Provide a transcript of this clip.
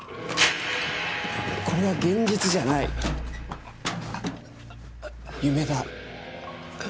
これは現実じゃない夢だ。